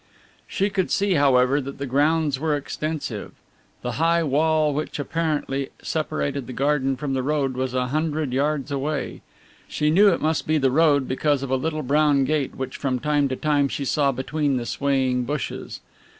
She could see, however, that the grounds were extensive. The high wall which, apparently, separated the garden from the road was a hundred yards away. She knew it must be the road because of a little brown gate which from time to time she saw between the swaying bushes.